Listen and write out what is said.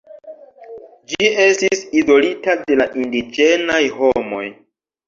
Ĝi estis izolita de la indiĝenaj homoj.